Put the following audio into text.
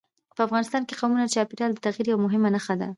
په افغانستان کې قومونه د چاپېریال د تغیر یوه مهمه نښه ده.